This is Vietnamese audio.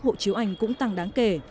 hộ chiếu anh cũng tăng đáng kể